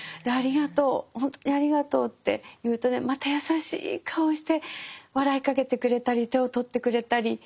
ありがとうほんとにありがとうって言うとねまた優しい顔をして笑いかけてくれたり手を取ってくれたり。